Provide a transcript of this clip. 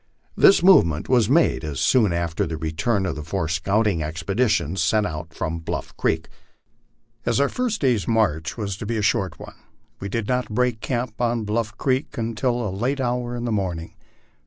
This movement was made soon after the return of the four scouting expeditions sent out from Bluff creek. As our first day's march was to be a short one, we did not break camp on Bluff creek until a late hour in the morning.